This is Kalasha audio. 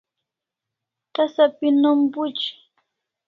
Tasa pi nom phuchi